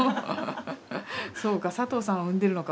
そうか佐藤さんを産んでるのか